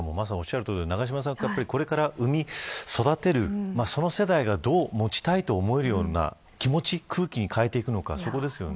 永島さん、これから生み育てるその世代がどう、持ちたいと思えるような気持ち、空気に変えていくのか、そこですよね。